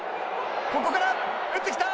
ここから打ってきた！